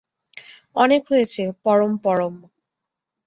অনেক হয়েছে পরম পরম!